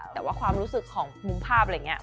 แต่ว่าความรู้สึกของมุมภาพอะไรอย่างนี้